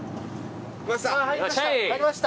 入りました！